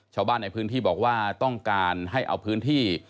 ชาวบ้านในพื้นที่บอกว่าต้องการให้เอาพื้นที่